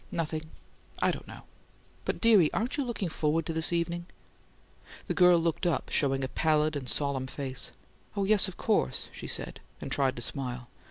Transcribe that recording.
"Nothing. I don't know." "But, dearie, aren't you looking FORWARD to this evening?" The girl looked up, showing a pallid and solemn face. "Oh, yes, of course," she said, and tried to smile.